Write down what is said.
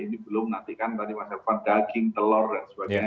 ini belum nanti kan tadi mas elvan daging telur dan sebagainya